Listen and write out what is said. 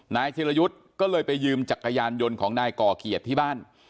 ธิรยุทธ์ก็เลยไปยืมจักรยานยนต์ของนายก่อเกียรติที่บ้าน